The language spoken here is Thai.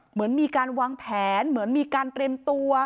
เหมือนมีการวางแผนเหมือนมีการเตรียมตัว